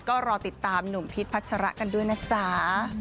ก็รอติดตามหนุ่มพีชพัชระกันด้วยนะจ๊ะ